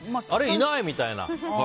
いない！みたいな。